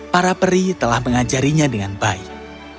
para peri telah mengajarinya dengan baik